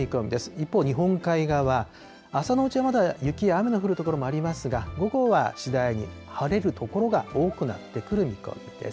一方、日本海側、朝のうちはまだ雪や雨の降る所もありますが、午後は次第に晴れる所が多くなってくる見込みです。